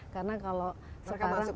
karena kalau sekarang